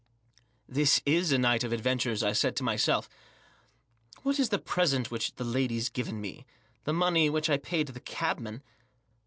" This is a night of adventures," I said to myself. "What is the present which the lady's given me; the money which I paid the cabman